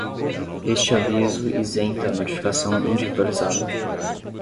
Este aviso isenta a notificação individualizada.